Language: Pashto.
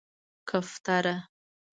🕊 کفتره